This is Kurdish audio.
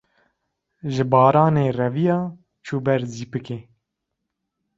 ji baranê reviya, çû ber zîpikê